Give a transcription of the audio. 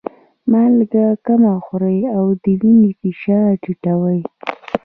مالګه کم خوړل د وینې فشار ټیټوي.